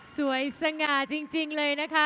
สง่าจริงเลยนะคะ